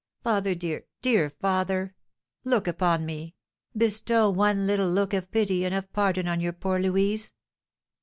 Father! dear, dear father! look upon me, bestow one little look of pity and of pardon on your poor Louise!"